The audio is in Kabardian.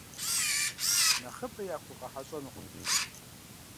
Нэхъыбэ яхуэгъэхьэщӏэнукъым.